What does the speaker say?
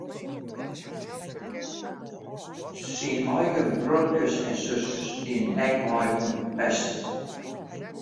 Syn eigen broerkes en suskes dienen ek mei oan it pesten.